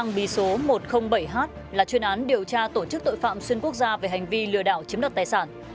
chuyên án mang bí số một trăm linh bảy h là chuyên án điều tra tổ chức tội phạm xuyên quốc gia về hành vi lừa đảo chiếm đặt tài sản